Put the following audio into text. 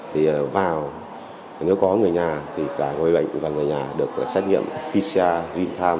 thì vào nếu có người nhà thì cả người bệnh và người nhà được xét nghiệm pcr